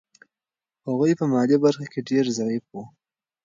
هغوی په مالي برخه کې ډېر ضعیف وو.